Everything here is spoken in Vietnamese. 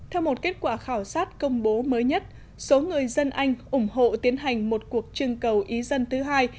theo một kết quả khảo sát công bố mới nhất số người dân anh ủng hộ tiến hành một cuộc trưng cầu ý dân thứ hai